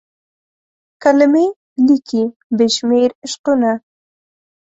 کلمې لیکي بې شمیر عشقونه